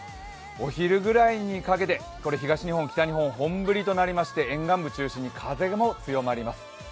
お昼ぐらいにかけて東日本、北日本、本降りと鳴りまして沿岸部中心に風も強まります。